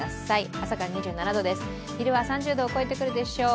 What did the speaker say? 朝から２７度です、昼は３０度を超えてくるでしょう。